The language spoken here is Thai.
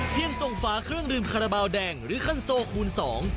ส่งฝาเครื่องดื่มคาราบาลแดงหรือคันโซคูณสอง